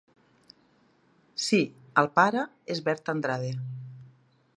Sí, el pare és Berta Andrade.